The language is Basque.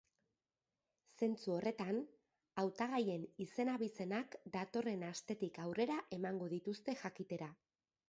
Zentzu horretan, hautagaien izen-abizenak datorren astetik aurrera emango dituzte jakitera.